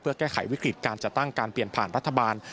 เพื่อแก้ไขวิกฤตการจัดตั้งการเปลี่ยนผ่านรัฐบาล